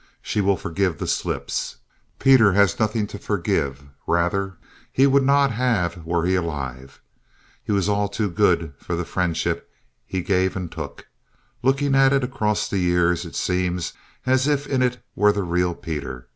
She will forgive the slips. Peter has nothing to forgive; rather, he would not have were he alive. He was all to the good for the friendship he gave and took. Looking at it across the years, it seems as if in it were the real Peter.